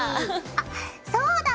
あっそうだ。